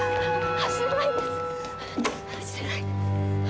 走れない。